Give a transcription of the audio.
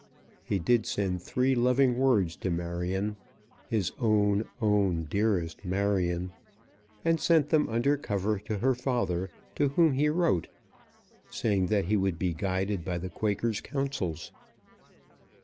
He did send three loving words to Marion "his own, own, dearest Marion," and sent them under cover to her father, to whom he wrote, saying that he would be guided by the Quaker's counsels.